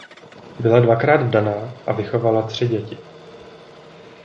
Byla dvakrát vdaná a vychovala tři děti.